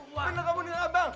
bener kamu menang abang